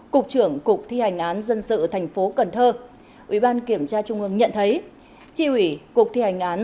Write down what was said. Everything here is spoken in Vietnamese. cục trưởng cục thi hành án dân sự tp cnh ủy ban kiểm tra trung ương nhận thấy tri ủy cục thi hành án